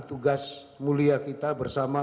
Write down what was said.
tugas mulia kita bersama